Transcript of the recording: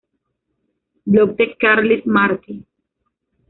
Blog de Carles Martí